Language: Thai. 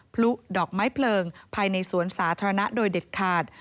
พลุดอกไม้เพลิงภายในสวนสาธารณะโดยเด็ดขาด